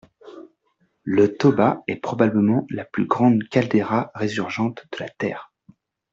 Le Toba est probablement la plus grande caldeira résurgente de la Terre.